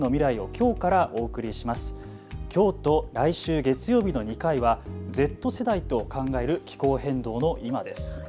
きょうと来週月曜日の２回はＺ世代と考える気候変動のいまです。